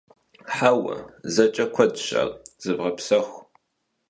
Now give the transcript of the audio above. Хьэуэ, зэкӀэ куэдщ ар. Зывгъэпсэху.